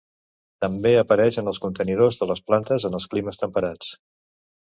També apareix en els contenidors de les plantes en els climes temperats.